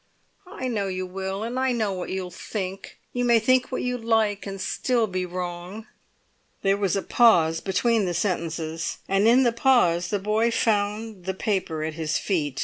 "I know you will, and I know what you'll think! You may think what you like, and still be wrong!" There was a pause between the sentences, and in the pause the boy found the paper at his feet.